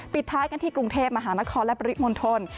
ปิดท้ายกันที่กรุงเทพมหานครและปริมณฑล